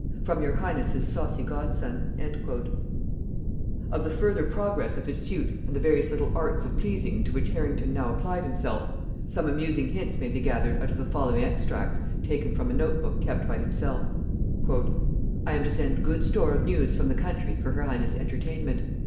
"From your Highness' saucy Godson." Of the further progress of his suit and the various little arts of pleasing to which Harrington now applied himself, some amusing hints may be gathered out of the following extracts taken from a note book kept by himself. [Note 129: See Nugæ Antiquæ.] ..."I am to send good store of news from the country for her highness entertainment....